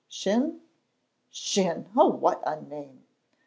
"Shin?" "Shin! Oh, what a name!"